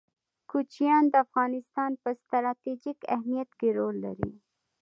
کوچیان د افغانستان په ستراتیژیک اهمیت کې رول لري.